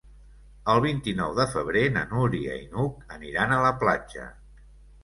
El vint-i-nou de febrer na Núria i n'Hug aniran a la platja.